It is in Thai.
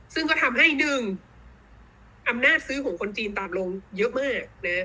ซึ่งก็ทำให้๑อำนาจซื้อของคนจีนตามลงเยอะมาก